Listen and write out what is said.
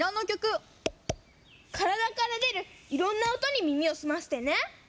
からだからでるいろんな音に耳を澄ましてね！